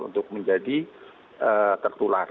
untuk menjadi tertular